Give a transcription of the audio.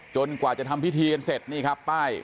กว่าจะทำพิธีกันเสร็จนี่ครับป้าย